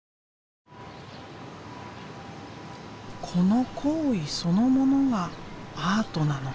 この行為そのものがアートなのか？